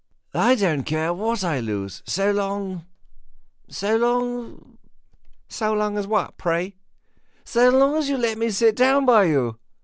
"I don't care what I lose, so long so long " "So long as what, pray?" "So long as you let me sit down by you!"